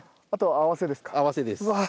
合わせです。